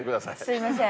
すみません。